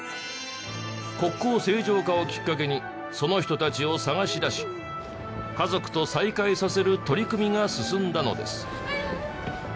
国交正常化をきっかけにその人たちを捜し出し家族と再会させる取り組みが進んだのです。